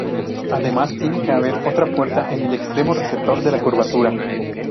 Además tiene que haber otra puerta en el extremo receptor de la curvatura.